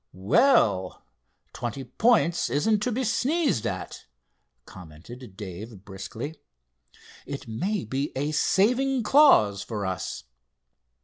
"Well; twenty points isn't to be sneezed at," commented Dave briskly. "It may be a saving clause for us."